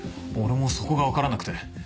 俺もそこが分からなくて。